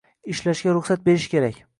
Ishlashga ruxsat berish kerak.